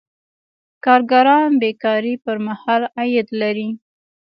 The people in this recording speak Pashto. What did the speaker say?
کارګران بې کارۍ پر مهال عاید لري.